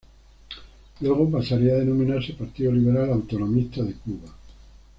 Luego, pasaría a denominarse Partido Liberal Autonomista de Cuba.